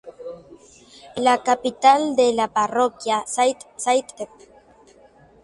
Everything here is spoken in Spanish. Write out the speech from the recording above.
La capital de la parroquia es Saint Joseph.